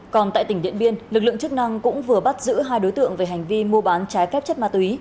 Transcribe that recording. còn tại tỉnh điện biên lực lượng chức năng cũng vừa bắt giữ hai đối tượng về hành vi mua bán trái phép chất ma túy